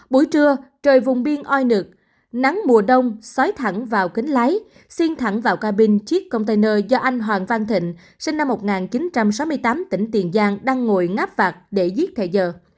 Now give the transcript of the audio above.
buổi trưa trời vùng biên oi nực nắng mùa đông xói thẳng vào kính lái xin thẳng vào cabin chiếc container do anh hoàng văn thịnh sinh năm một nghìn chín trăm sáu mươi tám tỉnh tiền giang đang ngồi ngắp vặt để giết thầy giờ